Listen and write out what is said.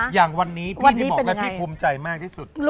อย่างวันนี้พี่ที่บอกแล้วพี่ภูมิใจมากที่สุด